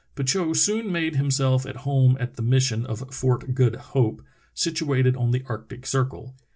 Petitot soon made himself at home at the mission of Fort Good Hope, situated on the arctic circle.